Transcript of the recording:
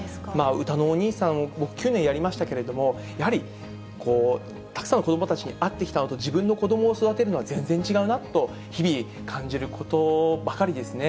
歌のおにいさんを僕、９年やりましたけれども、やはり、たくさんの子どもたちに会ってきたのと、自分の子どもを育てるのは全然違うなと、日々感じることばかりですね。